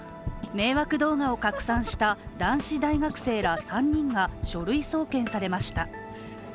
迷惑動画を拡散した男子大学生ら３人が書類送検されました。